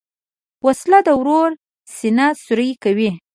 وسله د ورور سینه سوری کوي